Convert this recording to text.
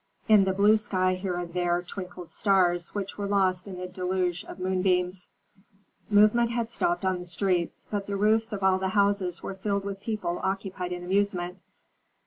In the blue sky here and there twinkled stars which were lost in the deluge of moonbeams. Movement had stopped on the streets, but the roofs of all the houses were filled with people occupied in amusement.